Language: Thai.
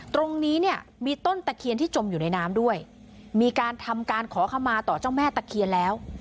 ตรงนี้เนี่ยมีต้นตะเคียนที่จมอยู่ในน้ำด้วยมีการทำการขอขมาต่อเจ้าแม่ตะเคียนแล้ว